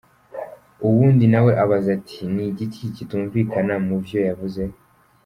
Uwundi nawe abaza ati: "Ni igiki kitumvikana muvyo yavuze?".